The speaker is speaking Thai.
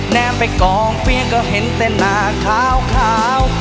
แหน่มไปกองเฟี้ยงก็เห็นแต่หน้าคาวคาว